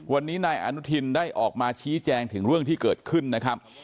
วันนี้นายอนุทินได้ออกมาชี้แจงถึงเรื่องที่เกิดขึ้นนะครับ